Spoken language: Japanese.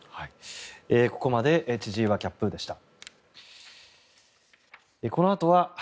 ここまで千々岩キャップでした。